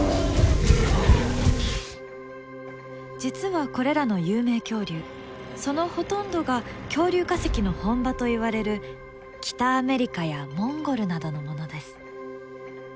実はこれらの有名恐竜そのほとんどが恐竜化石の本場といわれる北アメリカやモンゴルなどのものです。